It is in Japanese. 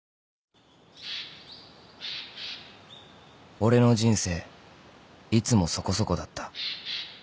［俺の人生いつもそこそこだった］